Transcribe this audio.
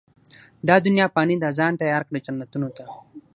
دا دنيا فاني ده، ځان تيار کړه، جنتونو ته